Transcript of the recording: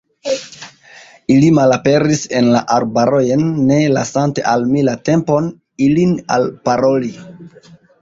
Ili malaperis en la arbarojn, ne lasante al mi la tempon, ilin alparoli.